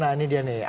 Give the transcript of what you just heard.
nah ini dia nih